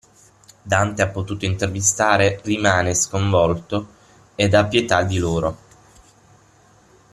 Dante ha potuto intervistare rimane sconvolto ed ha pietà di loro.